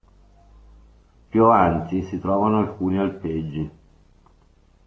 Più avanti si trovano alcuni alpeggi.